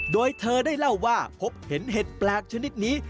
โดยเธอได้เล่าว่าพบเห็นเห็ดแปลกชนิดนี้